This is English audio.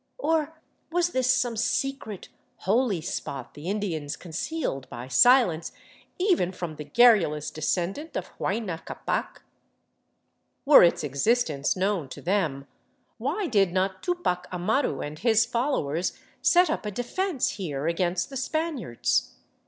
Or was this some secret holy spot the Indians concealed by silence even from the garrulous descendant of Huayna Ccapac? Were its existence known to them, why did not Tupac Amaru and his followers set up a defence here against the Spaniards ?